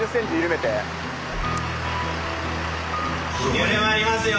緩まりますよ。